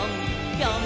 ぴょん！